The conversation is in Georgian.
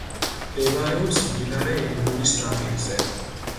მდებარეობს მდინარე ენგურის ნაპირზე.